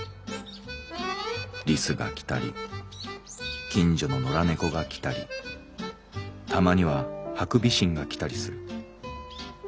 リスが来たり近所の野良猫が来たりたまにはハクビシンが来たりする。